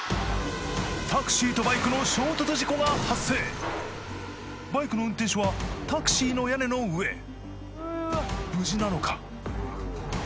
タクシーとバイクの衝突事故が発生バイクの運転手はタクシーの屋根の上へ無事なのか？